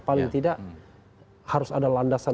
paling tidak harus ada landasan